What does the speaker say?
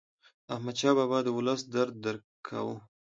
احمدشاه بابا د ولس درد درک کاوه.